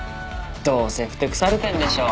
どうせふてくされてんでしょ。